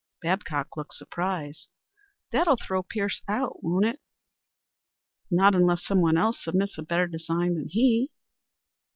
Babcock looked surprised. "That'll throw Pierce out, won't it?" "Not unless some one else submits a better design than he."